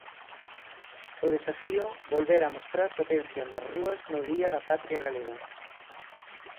O desafío, volver a mostrar potencia nas rúas no Día da Patria Galega.